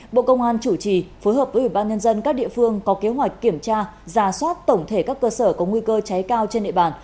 bộ công an chủ trì phối hợp với ubnd các địa phương có kế hoạch kiểm tra giả soát tổng thể các cơ sở có nguy cơ cháy cao trên địa bàn